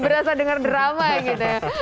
berasa dengar drama gitu